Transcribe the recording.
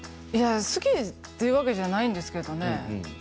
好きというわけじゃないんですけどね